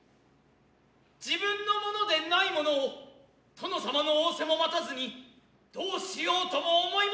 自分のものでないものを殿様の仰せも待たずに何うしようとも思ひませぬ。